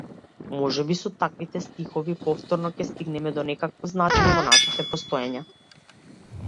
Можеби со таквите стихови повторно ќе стигнеме до некакво значење во нашите постоења.